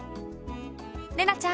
怜奈ちゃん